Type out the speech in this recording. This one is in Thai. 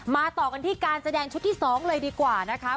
ต่อกันที่การแสดงชุดที่๒เลยดีกว่านะคะ